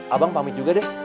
abang pamit juga deh